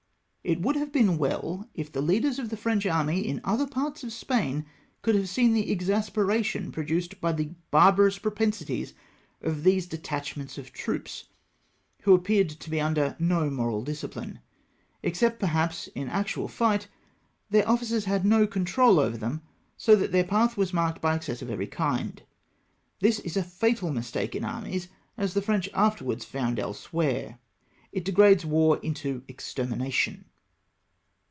It would have been well if the leaders of the French army in other parts of Spain could have seen the ex asperation produced by the barbarous propensities of these detachments of troops, who appeared to be under no moral disciphne. Except, perhaps, m actual fight, their officers had no control over them, so that their path was marked by excesses of every kind. Tliis is a fatal mistake in armies, as the French afterwards found elsewhere — it degrades war into extermination.